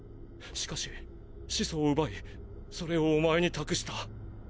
しかし始祖を奪いそれをお前に託した。